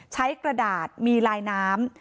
กระดาษมีลายน้ำ